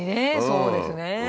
そうですね。